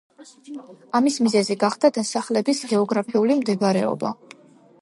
ამის მიზეზი გახდა დასახლების გეოგრაფიული მდებარეობა.